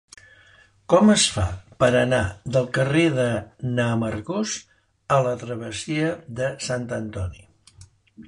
Com es fa per anar del carrer de n'Amargós a la travessia de Sant Antoni?